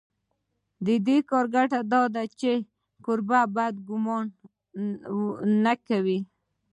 د دې کار ګټه دا ده چې کوربه بد ګومان نه کوي.